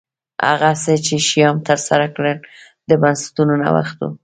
هغه څه چې شیام ترسره کړل د بنسټونو نوښت و